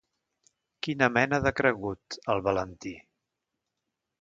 Quina mena de cregut, el Valentí!